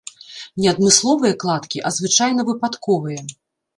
Не адмысловыя кладкі, а, звычайна, выпадковыя.